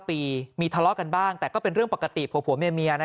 ปีมีทะเลาะกันบ้างแต่ก็เป็นเรื่องปกติผัวเมีย